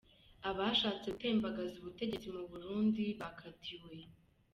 Abashatse gutembagaza ubutegetsi mu Burundi bakatiwe.